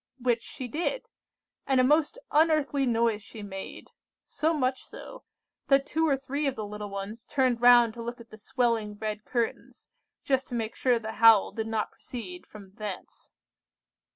which she did, and a most unearthly noise she made; so much so, that two or three of the little ones turned round to look at the swelling red curtains, just to make sure the howl did not proceed from thence.